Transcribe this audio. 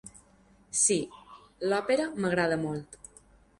Sí, l’òpera m’agrada molt.